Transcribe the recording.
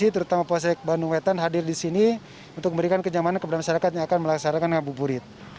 terutama polsek bandung wetan hadir di sini untuk memberikan kenyamanan kepada masyarakat yang akan melaksanakan ngabuburit